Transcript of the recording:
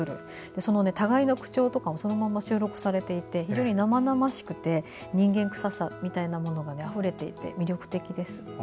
その互いの口調とかもそのまま収録されていて非常に生々しくて人間くささみたいなものがあふれていて魅力的です。